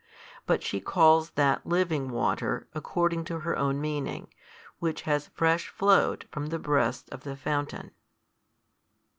But she calls that living water, according to her own meaning, which has fresh flowed from the breasts of the fountain.